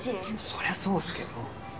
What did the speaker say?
そりゃそうっすけど。